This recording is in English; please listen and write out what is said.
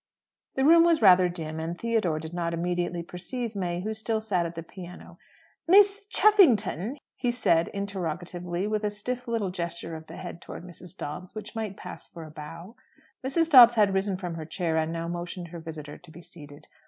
The room was rather dim, and Theodore did not immediately perceive May, who still sat at the piano. "Miss Cheffington?" he said interrogatively, with a stiff little gesture of the head towards Mrs. Dobbs, which might pass for a bow. Mrs. Dobbs had risen from her chair, and now motioned her visitor to be seated.